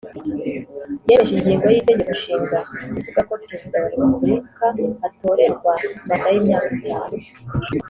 yemeje ingingo y’Itegeko Nshinga ivuga ko Perezida wa Repubulika atorerwa manda y’imyaka itanu